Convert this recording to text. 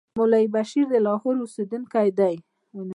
مولوي بشیر د لاهور اوسېدونکی دی.